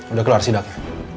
udah kelar sedaknya